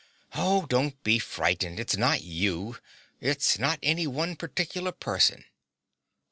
Oh, don't be frightened: it's not you. It's not any one particular person.